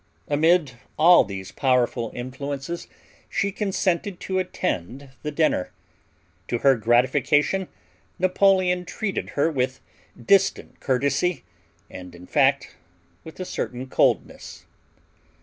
Amid all these powerful influences she consented to attend the dinner. To her gratification Napoleon treated her with distant courtesy, and, in fact, with a certain coldness.